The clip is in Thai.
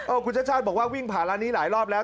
โอ้ยคุณชั่วบอกว่าวิ่งผ่านร้านนี้หลายรอบแล้ว